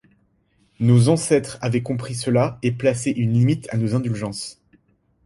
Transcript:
Nos ancêtres avaient compris cela et placé une limite à nos indulgences.